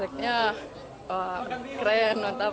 tracknya keren mantap